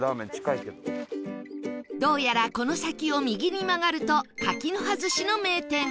どうやらこの先を右に曲がると柿の葉ずしの名店